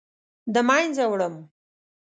د مینځه وړم